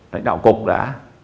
lãnh đạo cục đã